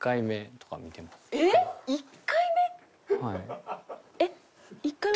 えっ１回目は。